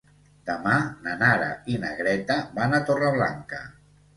Demà na Nara i na Greta van a Torreblanca.